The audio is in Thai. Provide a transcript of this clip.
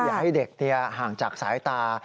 อย่าให้เด็กห่างจากสายตา